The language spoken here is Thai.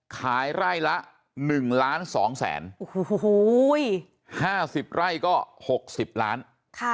ขายไร่ละหนึ่งล้านสองแสนโอ้โหห้าสิบไร่ก็หกสิบล้านค่ะ